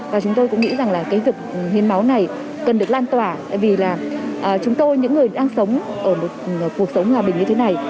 và chúng tôi cũng nghĩ rằng dựng hiến máu này cần được lan tỏa vì chúng tôi những người đang sống ở một cuộc sống hòa bình như thế này